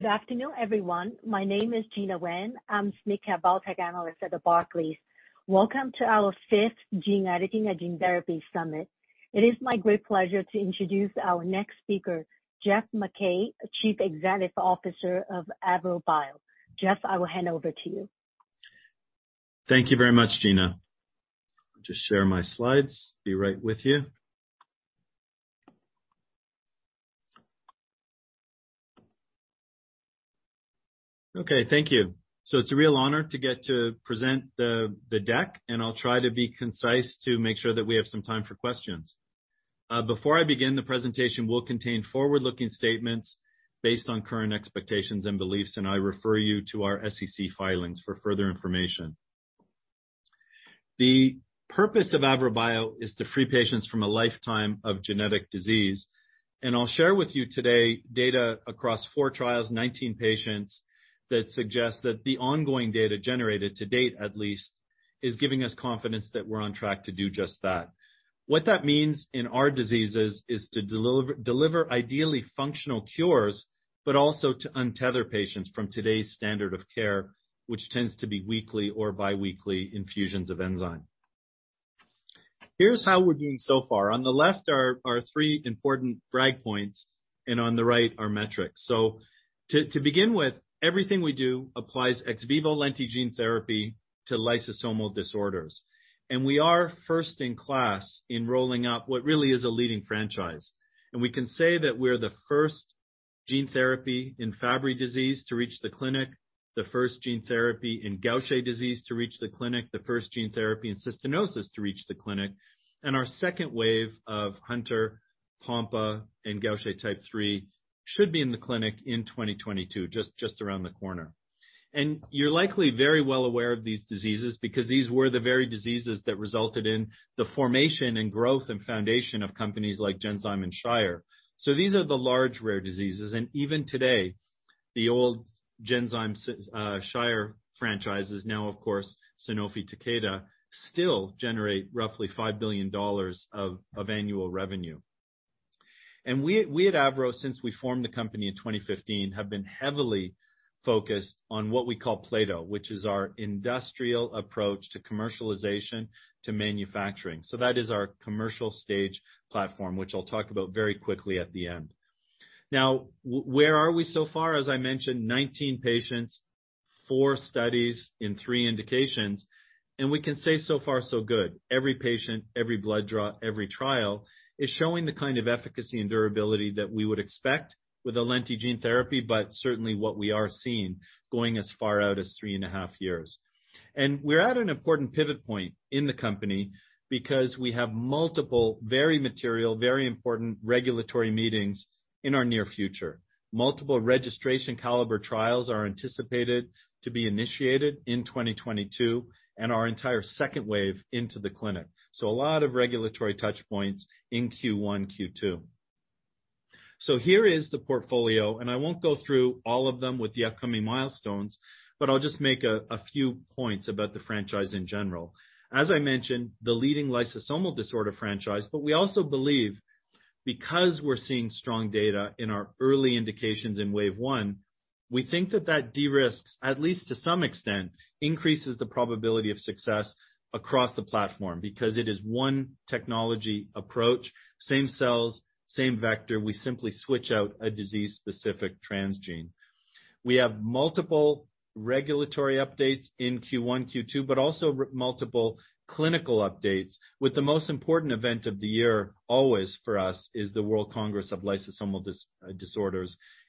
Good afternoon, everyone. My name is Gena Wang. I'm Senior Biotech Analyst at Barclays. Welcome to our fifth Gene Editing and Gene Therapy Summit. It is my great pleasure to introduce our next speaker, Geoff MacKay, Chief Executive Officer of AVROBIO. Jeff, I will hand over to you. Thank you very much, Gena. Just share my slides, be right with you. Okay, thank you. It's a real honor to get to present the deck, and I'll try to be concise to make sure that we have some time for questions. Before I begin, the presentation will contain forward-looking statements based on current expectations and beliefs, and I refer you to our SEC filings for further information. The purpose of AVROBIO is to free patients from a lifetime of genetic disease. I'll share with you today data across four trials, 19 patients, that suggests that the ongoing data generated to date at least is giving us confidence that we're on track to do just that. What that means in our diseases is to deliver ideally functional cures, but also to untether patients from today's standard of care, which tends to be weekly or bi-weekly infusions of enzyme. Here's how we're doing so far. On the left are three important brag points, and on the right are metrics. To begin with, everything we do applies ex vivo lentiviral gene therapy to lysosomal disorders. We are first in class in rolling out what really is a leading franchise. We can say that we're the first gene therapy in Fabry disease to reach the clinic, the first gene therapy in Gaucher disease to reach the clinic, the first gene therapy in cystinosis to reach the clinic. Our second wave of Hunter, Pompe and Gaucher type 3 should be in the clinic in 2022, just around the corner. You're likely very well aware of these diseases because these were the very diseases that resulted in the formation and growth and foundation of companies like Genzyme and Shire. These are the large rare diseases. Even today, the old Genzyme, Shire franchises now, of course, Sanofi Takeda, still generate roughly $5 billion of annual revenue. We at AVROBIO, since we formed the company in 2015, have been heavily focused on what we call Plato, which is our industrial approach to commercialization to manufacturing. That is our commercial stage platform, which I'll talk about very quickly at the end. Now where are we so far? As I mentioned, 19 patients, four studies in three indications, and we can say, so far so good. Every patient, every blood draw, every trial is showing the kind of efficacy and durability that we would expect with a lentiviral gene therapy, but certainly what we are seeing going as far out as 3.5 years. We're at an important pivot point in the company because we have multiple very material, very important regulatory meetings in our near future. Multiple registration caliber trials are anticipated to be initiated in 2022 and our entire second wave into the clinic. A lot of regulatory touch points in Q1, Q2. Here is the portfolio, and I won't go through all of them with the upcoming milestones, but I'll just make a few points about the franchise in general. As I mentioned, the leading lysosomal disorder franchise, but we also believe because we're seeing strong data in our early indications in wave one, we think that de-risks, at least to some extent, increases the probability of success across the platform because it is one technology approach, same cells, same vector. We simply switch out a disease-specific transgene. We have multiple regulatory updates in Q1, Q2, but also multiple clinical updates, with the most important event of the year always for us is the WORLD Symposium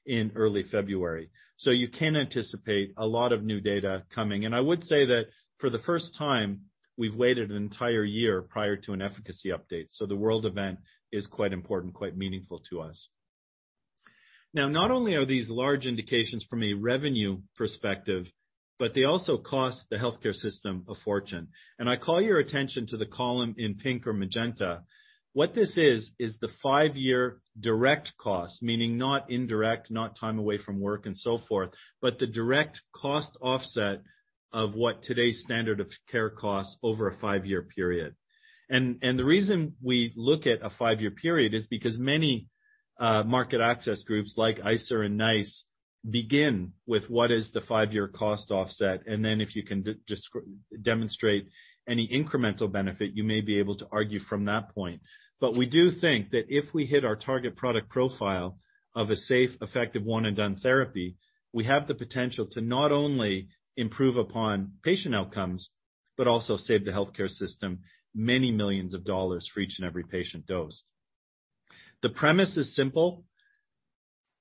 in early February. You can anticipate a lot of new data coming. I would say that for the first time, we've waited an entire year prior to an efficacy update. The WORLD Symposium is quite important, quite meaningful to us. Now, not only are these large indications from a revenue perspective, but they also cost the healthcare system a fortune. I call your attention to the column in pink or magenta. What this is the five-year direct cost, meaning not indirect, not time away from work and so forth, but the direct cost offset of what today's standard of care costs over a five-year period. The reason we look at a five-year period is because many market access groups like ICER and NICE begin with what is the five-year cost offset. Then if you can demonstrate any incremental benefit, you may be able to argue from that point. We do think that if we hit our target product profile of a safe, effective one and done therapy, we have the potential to not only improve upon patient outcomes, but also save the healthcare system $ many millions for each and every patient dose. The premise is simple.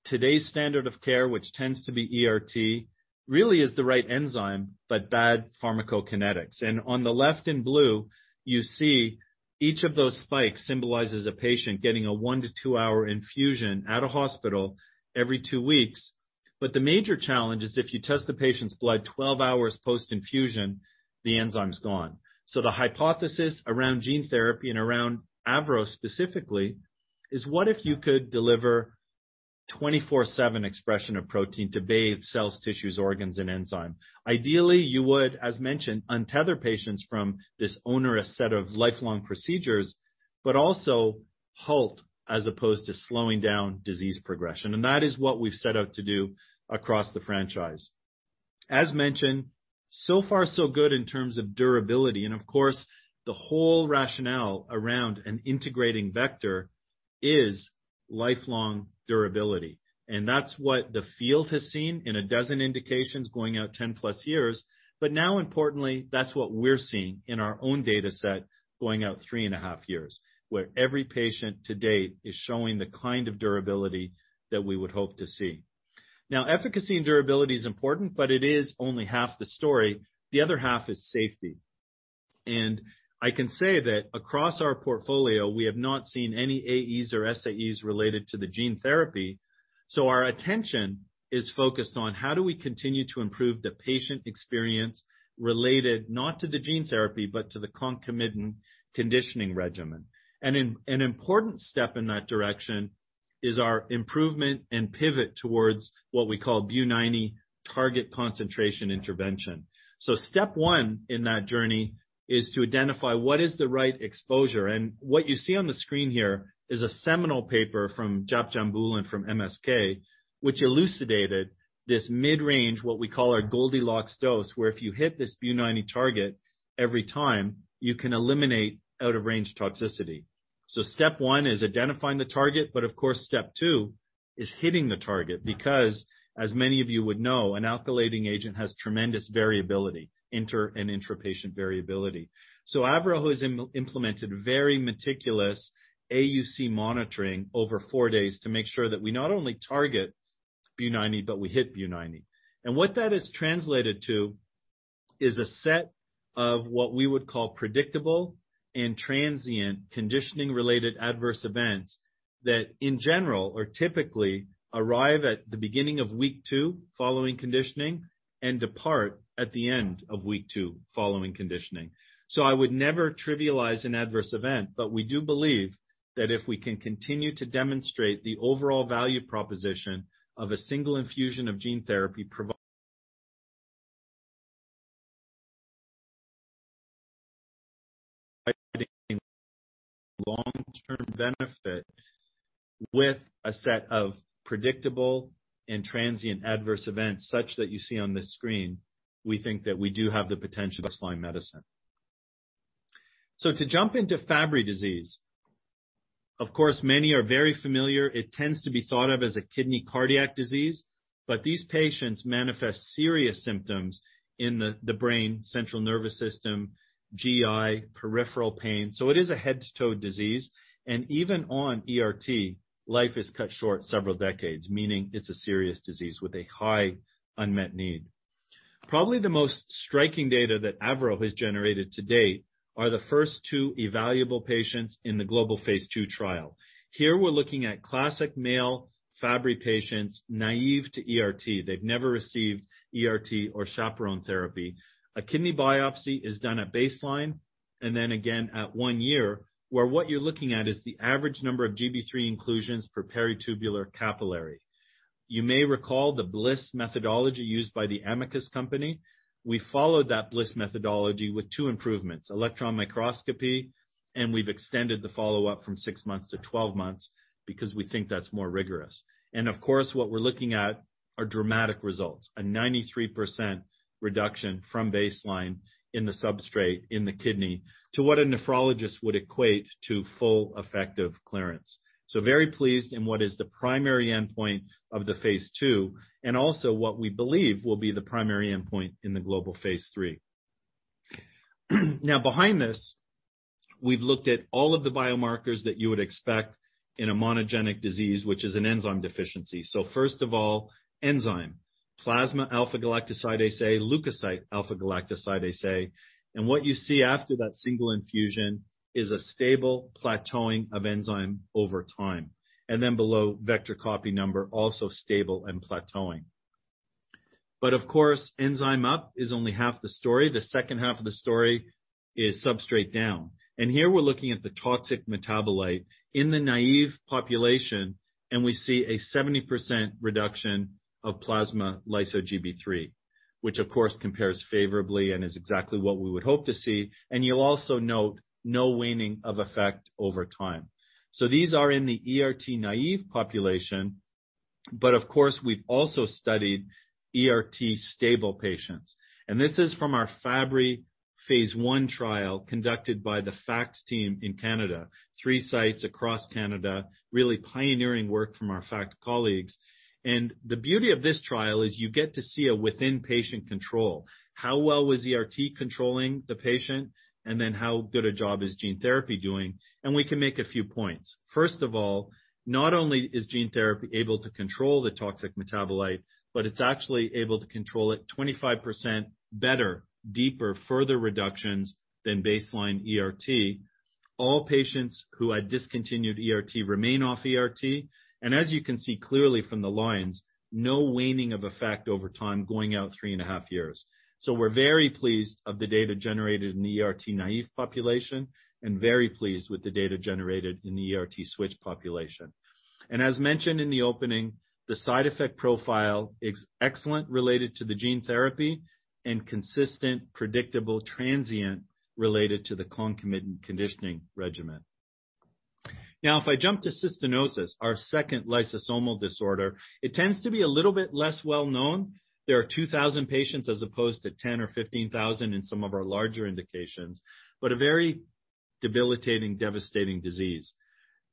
Today's standard of care, which tends to be ERT, really is the right enzyme, but bad pharmacokinetics. On the left in blue, you see each of those spikes symbolizes a patient getting a 1- to 2-hour infusion at a hospital every two weeks. The major challenge is if you test the patient's blood 12 hours post-infusion, the enzyme's gone. The hypothesis around gene therapy and around AVROBIO specifically is what if you could deliver 24/7 expression of protein to bathe cells, tissues, organs and enzyme? Ideally, you would, as mentioned, untether patients from this onerous set of lifelong procedures, but also halt as opposed to slowing down disease progression. That is what we've set out to do across the franchise. As mentioned, so far so good in terms of durability, and of course, the whole rationale around an integrating vector is lifelong durability. That's what the field has seen in a dozen indications going out 10-plus years. Now importantly, that's what we're seeing in our own data set going out 3.5 years, where every patient to date is showing the kind of durability that we would hope to see. Now, efficacy and durability is important, but it is only half the story. The other half is safety. I can say that across our portfolio, we have not seen any AEs or SAEs related to the gene therapy. Our attention is focused on how do we continue to improve the patient experience related not to the gene therapy, but to the concomitant conditioning regimen. An important step in that direction is our improvement and pivot towards what we call Bu90 target concentration intervention. Step one in that journey is to identify what is the right exposure. What you see on the screen here is a seminal paper from Jaap Jan Boelens from MSK, which elucidated this mid-range, what we call our Goldilocks dose, where if you hit this Bu90 target every time, you can eliminate out of range toxicity. Step one is identifying the target, but of course step two is hitting the target because, as many of you would know, an alkylating agent has tremendous variability, inter- and intra-patient variability. AVROBIO has implemented very meticulous AUC monitoring over four days to make sure that we not only target Bu90, but we hit Bu90. What that has translated to is a set of what we would call predictable and transient conditioning-related adverse events that, in general, or typically, arrive at the beginning of week two following conditioning and depart at the end of week two following conditioning. I would never trivialize an adverse event, but we do believe that if we can continue to demonstrate the overall value proposition of a single infusion of gene therapy providing long-term benefit with a set of predictable and transient adverse events such that you see on this screen, we think that we do have the potential to redefine medicine. To jump into Fabry disease, of course, many are very familiar. It tends to be thought of as a kidney cardiac disease, but these patients manifest serious symptoms in the brain, central nervous system, GI, peripheral pain. It is a head to toe disease, and even on ERT, life is cut short several decades, meaning it's a serious disease with a high unmet need. Probably the most striking data that AVROBIO has generated to date are the first two evaluable patients in the global phase II trial. Here we're looking at classic male Fabry patients, naive to ERT. They've never received ERT or chaperone therapy. A kidney biopsy is done at baseline and then again at 1 year, where what you're looking at is the average number of GL-3 inclusions per peritubular capillary. You may recall the Bliss methodology used by the Amicus company. We followed that Bliss methodology with two improvements, electron microscopy, and we've extended the follow-up from 6 months to 12 months because we think that's more rigorous. Of course, what we're looking at are dramatic results, a 93% reduction from baseline in the substrate in the kidney to what a nephrologist would equate to full effective clearance. Very pleased with what is the primary endpoint of the phase II and also what we believe will be the primary endpoint in the global phase III. Now behind this, we've looked at all of the biomarkers that you would expect in a monogenic disease, which is an enzyme deficiency. First of all, enzyme, plasma alpha-galactosidase A, leukocyte alpha-galactosidase A. What you see after that single infusion is a stable plateauing of enzyme over time. Then below, vector copy number, also stable and plateauing. Of course, enzyme up is only half the story. The second half of the story is substrate down. Here we're looking at the toxic metabolite in the naive population, and we see a 70% reduction of plasmalyso-Gb1, which of course, compares favorably and is exactly what we would hope to see. You'll also note no waning of effect over time. These are in the ERT naive population, but of course, we've also studied ERT stable patients. This is from our Fabry phase I trial conducted by the FACTs team in Canada. Three sites across Canada, really pioneering work from our FACT colleagues. The beauty of this trial is you get to see a within patient control. How well was ERT controlling the patient? Then how good a job is gene therapy doing? We can make a few points. First of all, not only is gene therapy able to control the toxic metabolite, but it's actually able to control it 25% better, deeper, further reductions than baseline ERT. All patients who had discontinued ERT remain off ERT. As you can see clearly from the lines, no waning of effect over time going out three and a half years. We're very pleased of the data generated in the ERT naive population and very pleased with the data generated in the ERT switch population. As mentioned in the opening, the side effect profile is excellent related to the gene therapy and consistent, predictable, transient related to the concomitant conditioning regimen. Now, if I jump to cystinosis, our second lysosomal disorder, it tends to be a little bit less well known. There are 2,000 patients as opposed to 10 or 15 thousand in some of our larger indications, but a very debilitating, devastating disease.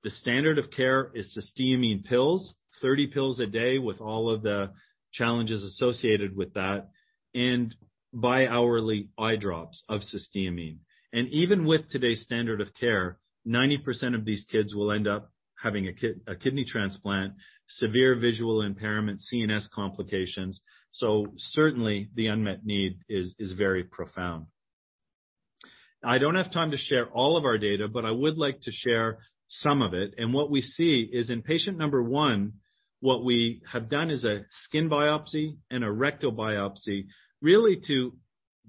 The standard of care is cysteamine pills, 30 pills a day with all of the challenges associated with that, and bi-hourly eye drops of cysteamine. Even with today's standard of care, 90% of these kids will end up having a kidney transplant, severe visual impairment, CNS complications. Certainly, the unmet need is very profound. I don't have time to share all of our data, but I would like to share some of it. What we see is in patient number one, what we have done is a skin biopsy and a rectal biopsy, really to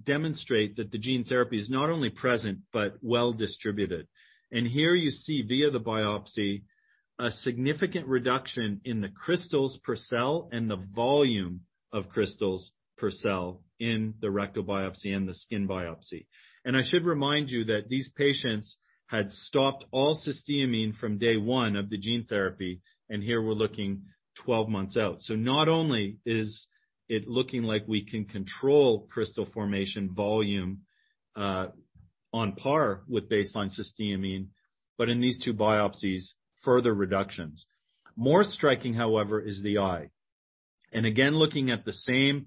demonstrate that the gene therapy is not only present but well-distributed. Here you see via the biopsy, a significant reduction in the crystals per cell and the volume of crystals per cell in the rectal biopsy and the skin biopsy. I should remind you that these patients had stopped all cysteamine from day 1 of the gene therapy, and here we're looking 12 months out. Not only is it looking like we can control crystal formation volume on par with baseline cysteamine, but in these two biopsies, further reductions. More striking, however, is the eye. Again, looking at the same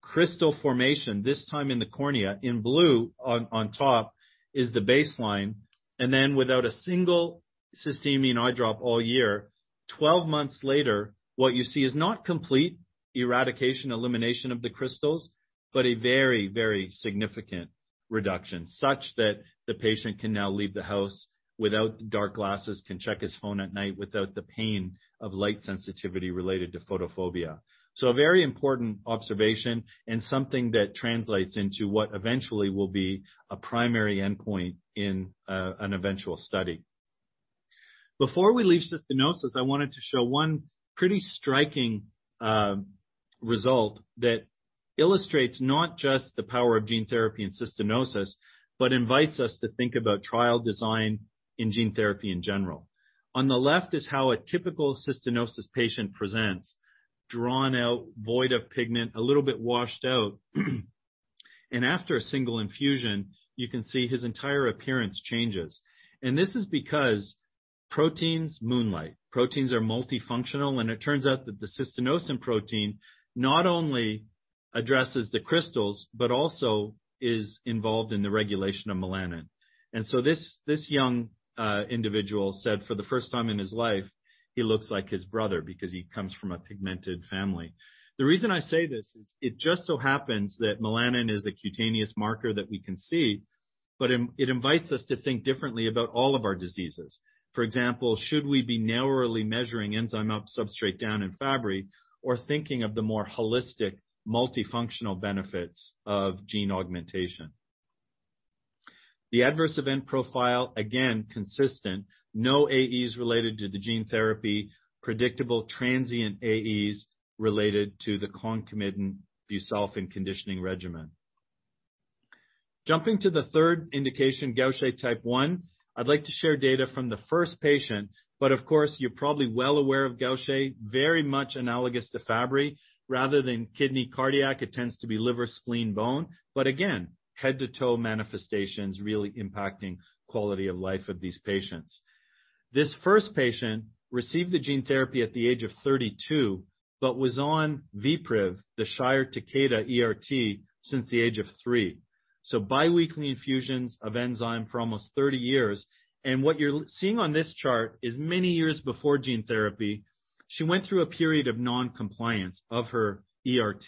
crystal formation, this time in the cornea in blue on top is the baseline. Without a single cysteamine eye drop all year, 12 months later, what you see is not complete eradication, elimination of the crystals, but a very, very significant reduction such that the patient can now leave the house without the dark glasses, can check his phone at night without the pain of light sensitivity related to photophobia. A very important observation and something that translates into what eventually will be a primary endpoint in an eventual study. Before we leave cystinosis, I wanted to show one pretty striking result that illustrates not just the power of gene therapy in cystinosis, but invites us to think about trial design in gene therapy in general. On the left is how a typical cystinosis patient presents, drawn out, void of pigment, a little bit washed out. After a single infusion, you can see his entire appearance changes. This is because proteins moonlight. Proteins are multifunctional, and it turns out that the cystinosin protein not only addresses the crystals, but also is involved in the regulation of melanin. This young individual said for the first time in his life, he looks like his brother because he comes from a pigmented family. The reason I say this is it just so happens that melanin is a cutaneous marker that we can see, but it invites us to think differently about all of our diseases. For example, should we be narrowly measuring enzyme up, substrate down in Fabry, or thinking of the more holistic multifunctional benefits of gene augmentation? The adverse event profile, again, consistent. No AEs related to the gene therapy, predictable transient AEs related to the concomitant busulfan conditioning regimen. Jumping to the third indication, Gaucher type 1, I'd like to share data from the first patient, but of course, you're probably well aware of Gaucher, very much analogous to Fabry. Rather than kidney, cardiac, it tends to be liver, spleen, bone. But again, head-to-toe manifestations really impacting quality of life of these patients. This first patient received the gene therapy at the age of 32, but was on VPRIV, the Shire Takeda ERT since the age of 3. So biweekly infusions of enzyme for almost 30 years. What you're seeing on this chart is many years before gene therapy, she went through a period of non-compliance of her ERT.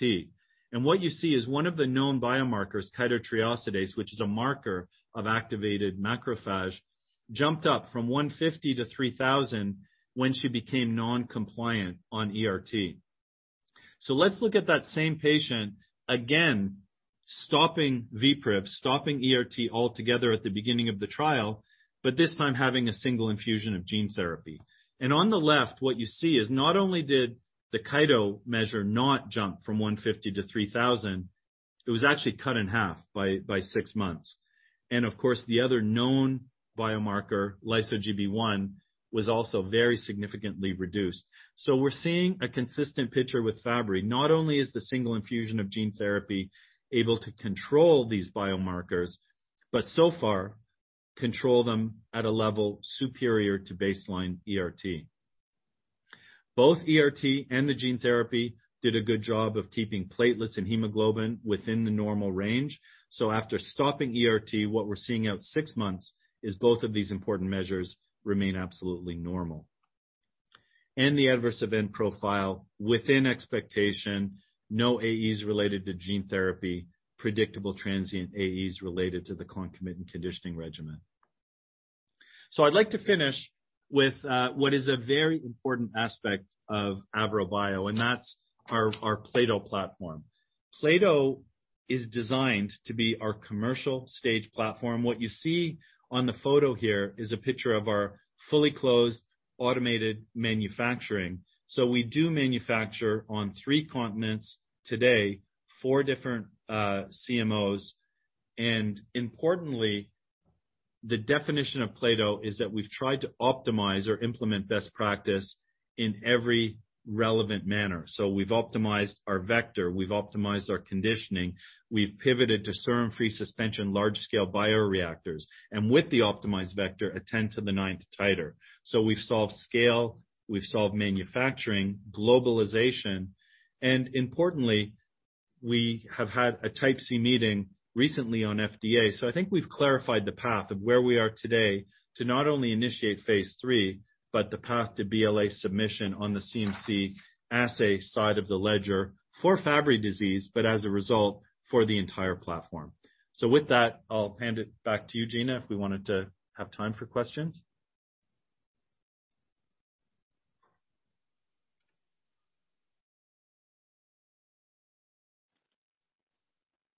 What you see is one of the known biomarkers, chitotriosidase, which is a marker of activated macrophage, jumped up from 150 to 3,000 when she became non-compliant on ERT. Let's look at that same patient again, stopping VPRIV, stopping ERT altogether at the beginning of the trial, but this time having a single infusion of gene therapy. On the left, what you see is not only did the chitotriosidase measure not jump from 150 to 3,000, it was actually cut in half by six months. Of course, the other known biomarker, lyso-Gb3, was also very significantly reduced. We're seeing a consistent picture with Fabry. Not only is the single infusion of gene therapy able to control these biomarkers, but so far control them at a level superior to baseline ERT. Both ERT and the gene therapy did a good job of keeping platelets and hemoglobin within the normal range. After stopping ERT, what we're seeing out six months is both of these important measures remain absolutely normal. The adverse event profile within expectation, no AEs related to gene therapy, predictable transient AEs related to the concomitant conditioning regimen. I'd like to finish with what is a very important aspect of AVROBIO, and that's our plato platform. plato is designed to be our commercial stage platform. What you see on the photo here is a picture of our fully closed, automated manufacturing. We do manufacture on three continents today, four different CMOs. Importantly, the definition of plato is that we've tried to optimize or implement best practice in every relevant manner. We've optimized our vector, we've optimized our conditioning, we've pivoted to serum-free suspension large-scale bioreactors, and with the optimized vector, a 10^9 titer. We've solved scale, we've solved manufacturing, globalization, and importantly, we have had a type C meeting recently with the FDA. I think we've clarified the path of where we are today to not only initiate phase III, but the path to BLA submission on the CMC assay side of the ledger for Fabry disease, but as a result for the entire platform. With that, I'll hand it back to you, Gena, if we wanted to have time for questions.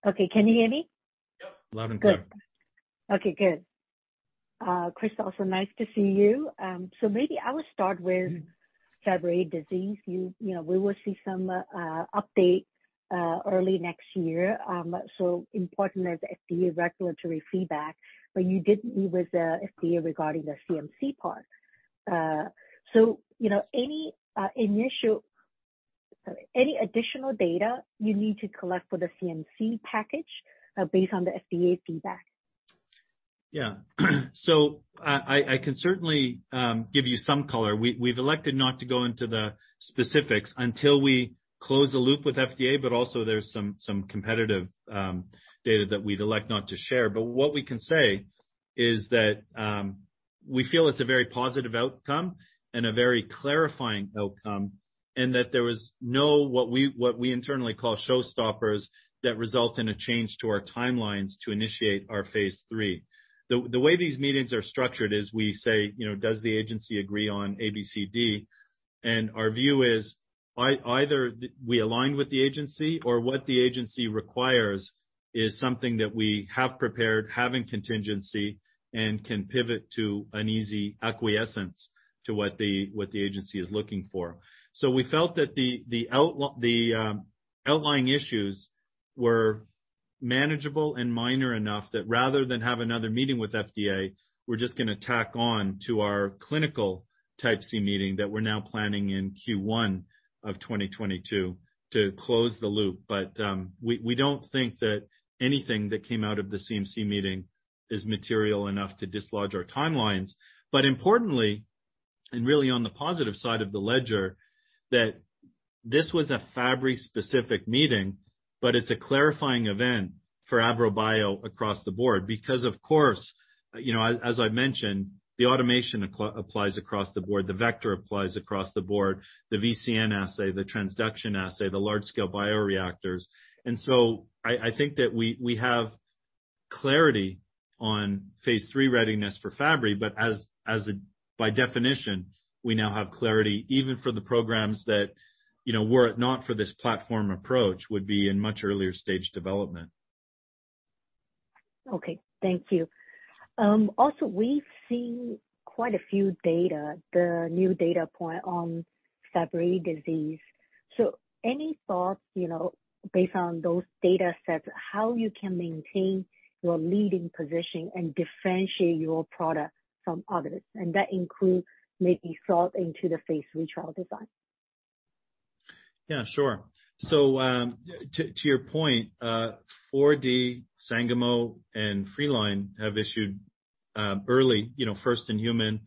Okay. Can you hear me? Yep. Loud and clear. Good. Okay, good. Chris, also nice to see you. Maybe I will start with Fabry disease. You know, we will see some update early next year, so important as FDA regulatory feedback. You did meet with the FDA regarding the CMC part. You know, any additional data you need to collect for the CMC package based on the FDA feedback? Yeah. I can certainly give you some color. We've elected not to go into the specifics until we close the loop with FDA, but also there's some competitive data that we'd elect not to share. What we can say is that we feel it's a very positive outcome and a very clarifying outcome, and that there was no what we internally call show stoppers that result in a change to our timelines to initiate our phase III. The way these meetings are structured is we say, you know, does the agency agree on A, B, C, D? Our view is either we align with the agency or what the agency requires is something that we have prepared, in contingency, and can pivot to an easy acquiescence to what the agency is looking for. We felt that the outlying issues were manageable and minor enough that rather than have another meeting with FDA, we're just gonna tack on to our clinical Type C meeting that we're now planning in Q1 of 2022 to close the loop. We don't think that anything that came out of the CMC meeting is material enough to dislodge our timelines. Importantly, and really on the positive side of the ledger, that this was a Fabry-specific meeting, but it's a clarifying event for AVROBIO across the board because of course, you know, as I mentioned, the automation applies across the board, the vector applies across the board, the VCN assay, the transduction assay, the large-scale bioreactors. I think that we have clarity on phase III readiness for Fabry, but as by definition, we now have clarity even for the programs that, you know, were it not for this platform approach would be in much earlier stage development. Okay. Thank you. Also we've seen quite a few data, the new data point on Fabry disease. Any thoughts, you know, based on those data sets, how you can maintain your leading position and differentiate your product from others? That includes maybe thoughts into the phase III trial design. Yeah, sure. To your point, 4D, Sangamo, and Freeline have issued early, you know, first-in-human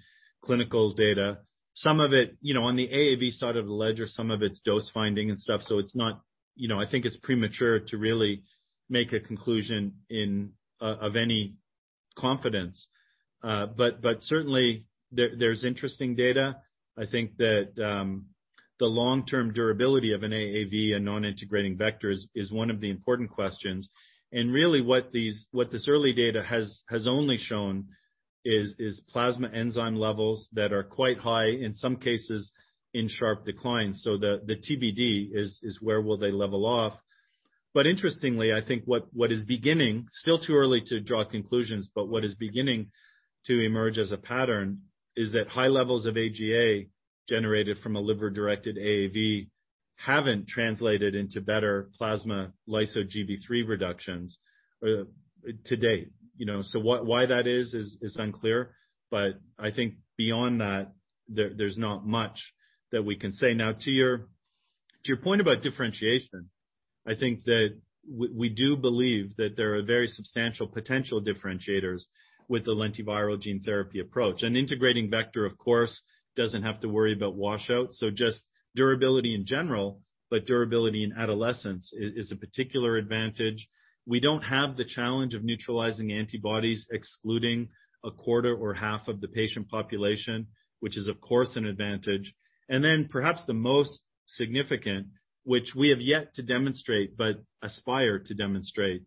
clinical data. Some of it, you know, on the AAV side of the ledger, some of it's dose finding and stuff, so it's not. You know, I think it's premature to really make a conclusion with any confidence. But certainly there's interesting data. I think that the long-term durability of an AAV and non-integrating vectors is one of the important questions. Really what this early data has only shown is plasma enzyme levels that are quite high, in some cases, in sharp decline. The TBD is where will they level off. Interestingly, I think, still too early to draw conclusions, but what is beginning to emerge as a pattern is that high levels of AGA generated from a liver-directed AAV haven't translated into better plasma lyso-Gb3 reductions to date. You know? Why that is is unclear, but I think beyond that, there's not much that we can say. Now to your point about differentiation, I think that we do believe that there are very substantial potential differentiators with the lentiviral gene therapy approach. An integrating vector, of course, doesn't have to worry about washout, so just durability in general, but durability in adolescence is a particular advantage. We don't have the challenge of neutralizing antibodies excluding a quarter or half of the patient population, which is of course an advantage. Perhaps the most significant, which we have yet to demonstrate but aspire to demonstrate,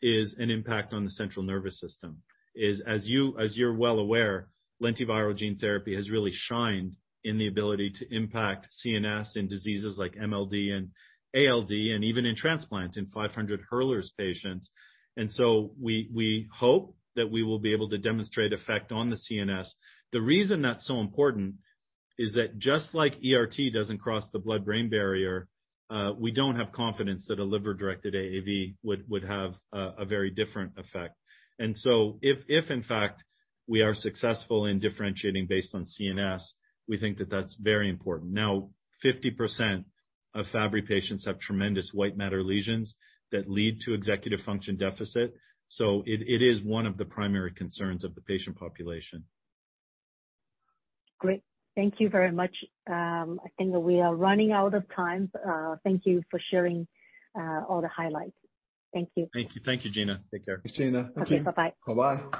is an impact on the central nervous system. As you're well aware, lentiviral gene therapy has really shined in the ability to impact CNS in diseases like MLD and ALD and even in transplant in 500 Hurler's patients. We hope that we will be able to demonstrate effect on the CNS. The reason that's so important is that just like ERT doesn't cross the blood-brain barrier, we don't have confidence that a liver-directed AAV would have a very different effect. If in fact we are successful in differentiating based on CNS, we think that that's very important. Now, 50% of Fabry patients have tremendous white matter lesions that lead to executive function deficit, so it is one of the primary concerns of the patient population. Great. Thank you very much. I think we are running out of time. Thank you for sharing all the highlights. Thank you. Thank you. Thank you, Gena. Take care. Thanks, Gena. Thank you. Okay. Bye-bye. Bye-bye.